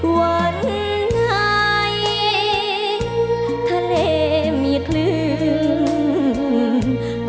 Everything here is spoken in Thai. วันไทยทะเลมีคลื่น